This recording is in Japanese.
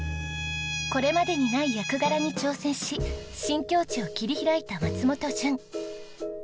これまでにない役柄に挑戦し新境地を切り開いた松本潤。